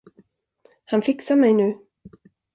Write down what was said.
Han fixar mig nu.